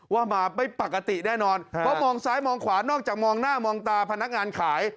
ว่ามาไม่ปกติแน่นอนเพราะมองซ้ายมองขวานอกจากมองหน้ามองตาพนักงานขาย